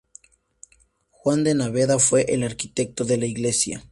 Juan de Naveda fue el arquitecto de la iglesia.